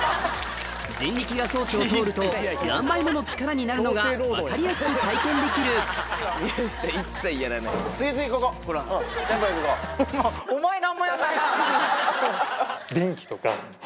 人力が装置を通ると何倍もの力になるのが分かりやすく体験できる宮下一切やらない。